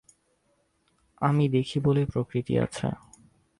আমি দেখি বলেই প্রকৃতি আছে।